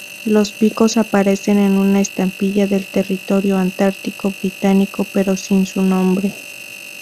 Los picos aparecen en una estampilla del Territorio Antártico Británico pero sin su nombre.